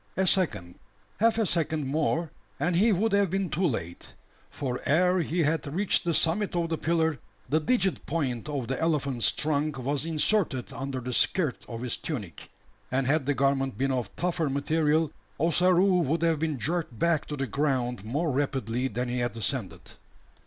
A second half a second more and he would have been too late: for ere he had reached the summit of the pillar, the digit point of the elephant's trunk was inserted under the skirt of his tunic; and had the garment been of tougher material; Ossaroo would have been jerked back to the ground more rapidly than he had ascended.